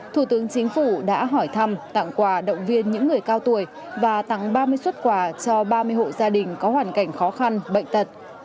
thủ tướng chính phủ đã hỏi thăm tặng quà động viên những người cao tuổi và tặng ba mươi xuất quà cho ba mươi hộ gia đình có hoàn cảnh khó khăn bệnh tật